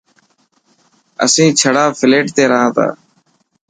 اسين ڇڙا فليٽ تي رها تا.